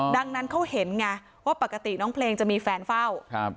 ดังนั้นเขาเห็นไงว่าปกติน้องเพลงจะมีแฟนเฝ้าครับ